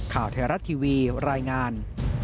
ข่าวไทยรัฐทีวีรายงาน